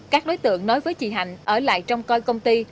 các đối tượng nói với chị hạnh ở lại trong coi công ty